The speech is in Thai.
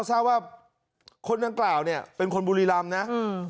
เศร้าว่าคนต่างกล่าวเนี้ยเป็นคนบุรีรัมน์นะอืม